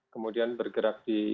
kemudian bergerak di